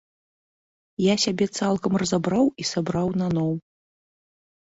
Я сябе цалкам разабраў і сабраў наноў.